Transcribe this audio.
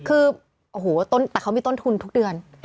คือโอ้โหแต่เขามีต้นทุนทุกเดือน